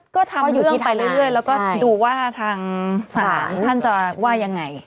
ก็ทำเรื่องไปเรื่อยแล้วก็ดูว่าทางศาลท่านจะว่ายังไง